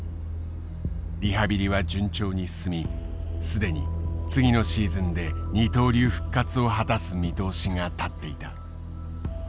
リハビリは順調に進み既に次のシーズンで二刀流復活を果たす見通しが立っていた。